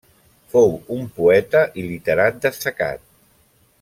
Fou un poeta i literat destacat.